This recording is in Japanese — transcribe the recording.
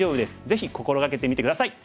ぜひ心掛けてみて下さい。